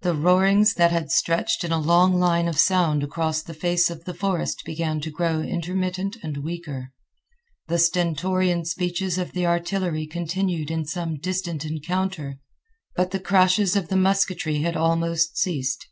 The roarings that had stretched in a long line of sound across the face of the forest began to grow intermittent and weaker. The stentorian speeches of the artillery continued in some distant encounter, but the crashes of the musketry had almost ceased.